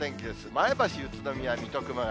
前橋、宇都宮、水戸、熊谷。